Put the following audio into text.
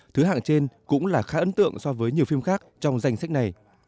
thứ hạng trên cũng là khá ấn tượng so với nhiều phim khác trong danh sách này